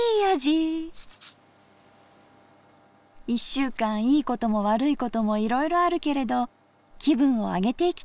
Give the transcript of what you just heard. １週間いいことも悪いこともいろいろあるけれど気分を上げていきたいですね